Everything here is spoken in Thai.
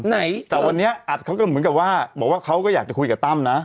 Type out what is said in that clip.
แต่วันนี้อัดเขาก็เหมือนกับว่าบอกว่าเขาก็อยากจะคุยกับตั้มนะ